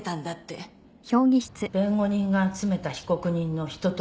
弁護人が集めた被告人の人となりの証言